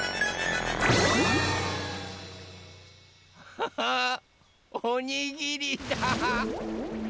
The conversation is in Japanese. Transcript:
ハハおにぎりだ！